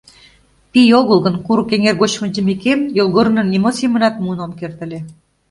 Пий огыл гын, курык эҥер гоч вончымекем, йолгорным нимо семынат муын ом керт ыле.